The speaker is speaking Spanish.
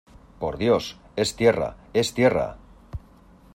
¡ por Dios, es tierra , es tierra!